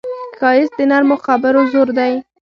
ښایست د نرمو خبرو زور دی